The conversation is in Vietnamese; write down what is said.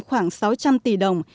khoảng sáu trăm linh tỷ đồng